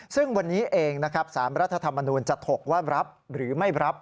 ซึ่งวันนี้เองนะครับสารรัฐธรรมนูลจะถกว่ารับหรือไม่รับ